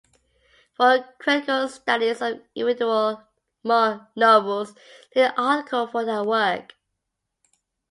For critical studies of individual novels, see the article for that work.